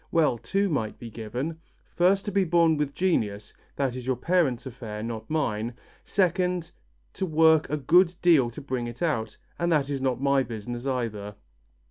Well, two might be given: first to be born with genius that is your parents' affair, not mine; second to work a good deal to bring it out, and that is not my business either."